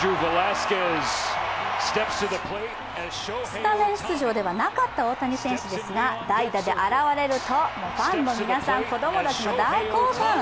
スタメン出場ではなかった大谷選手ですが代打で現れると、ファンの皆さん、子供たちも大興奮。